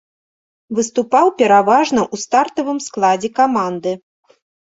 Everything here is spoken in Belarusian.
Выступаў пераважна ў стартавым складзе каманды.